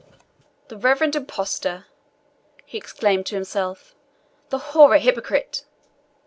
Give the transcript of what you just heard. "The reverend impostor!" he exclaimed to himself; "the hoary hypocrite!